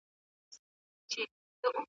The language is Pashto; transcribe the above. په پردیو وزرونو ځي اسمان ته `